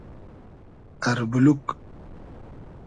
اربولوگ